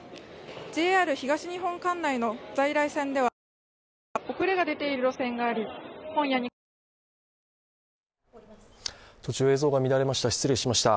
ＪＲ東日本管内の在来線ではほかにも遅れが出ている路線があり途中、映像が乱れました、失礼しました。